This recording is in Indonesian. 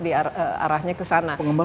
diarahnya ke sana